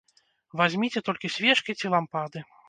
Вазьміце толькі свечкі ці лампады.